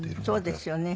そうですよね。